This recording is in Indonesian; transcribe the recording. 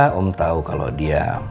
kamu tahu kalau dia